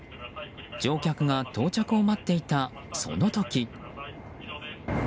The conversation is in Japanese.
乗客が到着を待っていたその時。